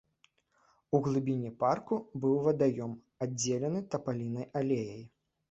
У глыбіні парку быў вадаём, аддзелены тапалінай алеяй.